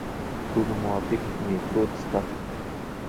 ټولو موافق میتود شته.